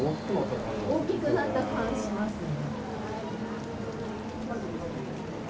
大きくなった感じしますね。